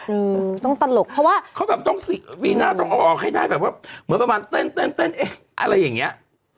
อืมต้องตลกเพราะว่าเขาแบบต้องวีน่าต้องเอาออกให้ได้แบบว่าเหมือนประมาณเต้นเต้นเอ๊ะอะไรอย่างเงี้ย